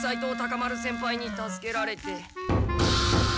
丸先輩に助けられて。